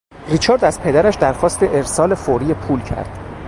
ریچارد از پدرش درخواست ارسال فوری پول کرد.